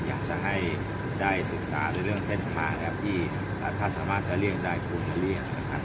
อยากจะได้ศึกษาเรื่องเส้นทางที่ถ้าสามารถจะได้เรื่องคุณจะนู้น